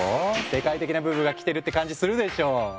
世界的なブームが来てるって感じするでしょ？